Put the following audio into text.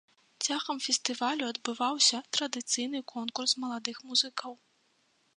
Цягам фестывалю адбываўся традыцыйны конкурс маладых музыкаў.